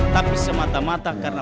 tapi semata mata karena